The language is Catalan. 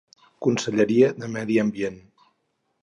Conselleria de Medi Ambient.